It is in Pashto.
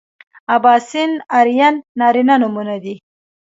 اباسین ارین نارینه نومونه دي